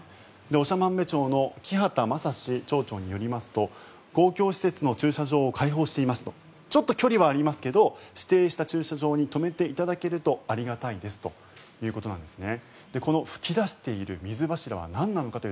長万部町の木幡正志町長によりますと公共施設の駐車場を開放していますとちょっと距離はありますけど指定した駐車場に止めていただけるとありがたいですということなんですね。